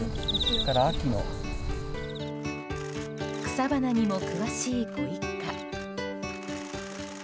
草花にも詳しいご一家。